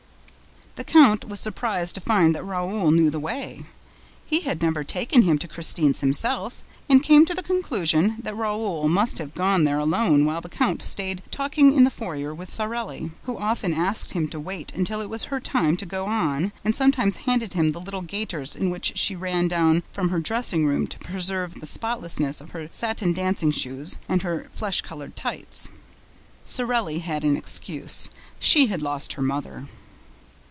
The count was surprised to find that Raoul knew the way. He had never taken him to Christine's himself and came to the conclusion that Raoul must have gone there alone while the count stayed talking in the foyer with Sorelli, who often asked him to wait until it was her time to "go on" and sometimes handed him the little gaiters in which she ran down from her dressing room to preserve the spotlessness of her satin dancing shoes and her flesh colored tights. Sorelli had an excuse; she had lost her mother.